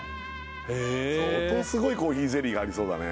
へえ相当すごいコーヒーゼリーがありそうだね